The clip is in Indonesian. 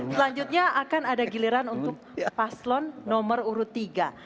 selanjutnya akan ada giliran untuk paslon nomor urut tiga